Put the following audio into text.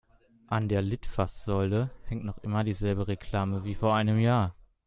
An der Litfaßsäule hängt noch immer die selbe Reklame wie vor einem Jahr.